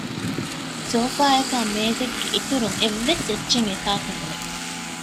ސޯފާއަކާއި މޭޒެއްގެ އިތުރުން އެއްވެސް އެއްޗެއް އެތާކު ނުވެ